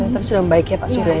tapi sudah membaik ya pak sudah ya